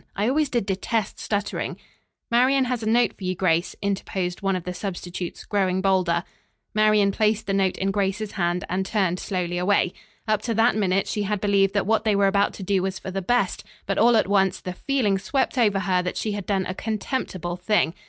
I always did detest stuttering." "Marian has a note for you, Grace," interposed one of the substitutes growing bolder. Marian placed the note in Grace's hand and turned slowly away. Up to that minute she had believed that what they were about to do was for the best; but all at once the feeling swept over her that she had done a contemptible thing.